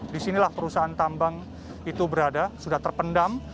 di sinilah perusahaan tambang itu berada sudah terpendam